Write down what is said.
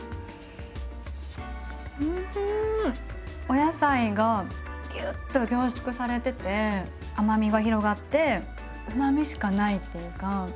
お野菜がぎゅっと凝縮されてて甘みが広がってうまみしかないっていうか。